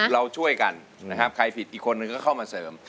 เราช่วยกันนะครับใครผิดอีกคนนึงก็เข้ามาเสริม